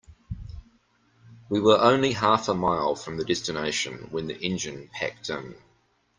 We were only half a mile from the destination when the engine packed in.